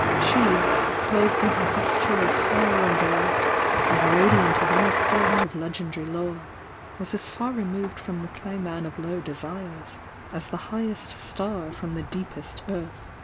She, clothed in her vesture of fire and light, as radiant as any spirit of legendary lore, was as far removed from the clay man of low desires as the highest star from the deepest earth.